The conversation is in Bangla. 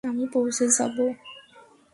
আমি পৌঁছে যাবো।